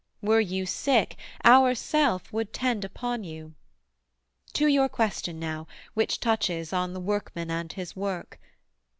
Were you sick, ourself Would tend upon you. To your question now, Which touches on the workman and his work.